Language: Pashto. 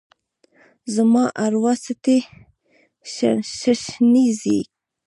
زما اروا څټي ششنیږې